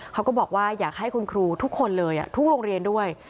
เขาก็บอกว่าอยากให้คุณครูทุกคนเลยทุกโรงเรียนด้วย